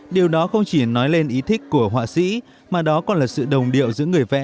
điều đó không chỉ nói lên ý thích của họa sĩ mà đó còn là sự đồng điệu giữa người vẽ